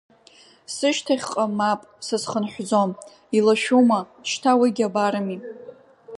Сышьҭахьҟа, мап, сызхынҳәӡом, илашәума, шьҭа уигьы абарами.